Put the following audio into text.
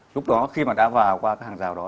lúc đó khi mà đã vào qua cái hàng rào đó